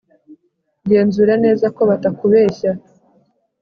genzura neza ko batakubeshy